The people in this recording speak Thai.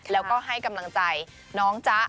แล้วก็ให้กำลังใจน้องจ๊ะ